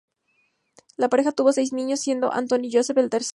La pareja tuvo seis niños, siendo Antoine Joseph el tercero.